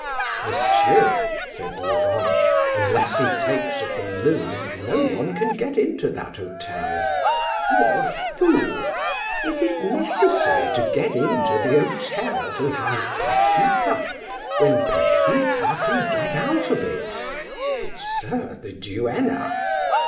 "Monsieur," said Laurent, "unless he takes a balloon no one can get into that hotel." "You are a fool! Is it necessary to get into the hotel to have Paquita, when Paquita can get out of it?" "But, sir, the duenna?"